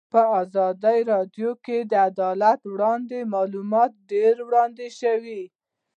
په ازادي راډیو کې د عدالت اړوند معلومات ډېر وړاندې شوي.